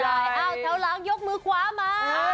อ้าวแถวหลังยกมือขวามา